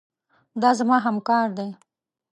دا زما همکار دی.